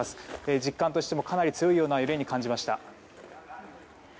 実感としてもかなり強い揺れに感じました。